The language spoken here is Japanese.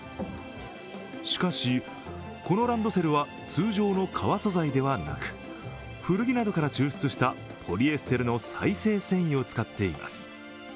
しかし、このランドセルは通常の皮素材ではなく古着などから抽出したポリエステルの再生繊維を使っています。